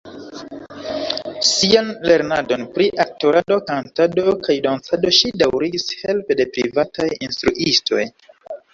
Sian lernadon pri aktorado, kantado kaj dancado ŝi daŭrigis helpe de privataj instruistoj.